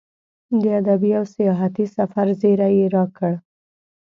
د ادبي او سیاحتي سفر زیری یې راکړ.